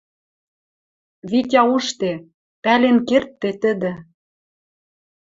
Витя ужде, пӓлен кердде тӹдӹ